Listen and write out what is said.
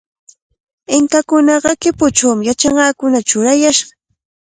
Inkakunaqa kipuchawmi yachanqakunata churayashqa.